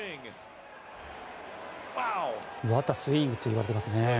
ワット・ア・スイングと言われていますね。